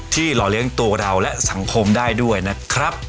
หล่อเลี้ยงตัวเราและสังคมได้ด้วยนะครับ